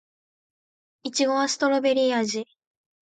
いちごはストベリー味